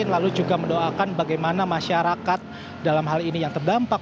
lalu juga mendoakan bagaimana masyarakat dalam hal ini yang terdampak